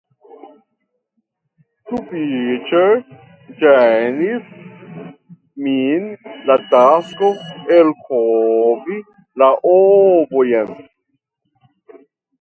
Sufiĉe ĝenis min la tasko elkovi la ovojn.